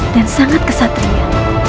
dan sangat kesatria